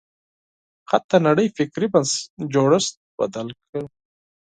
خط د نړۍ فکري جوړښت بدل کړ.